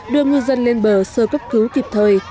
đưa ngư dân lên bờ sơ cấp cứu kịp thời